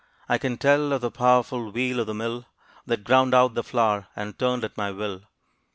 I can tell of the powerful wheel of the mill, That ground out the flour, and turned at my will.